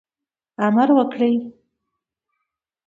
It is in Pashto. امر وکړي.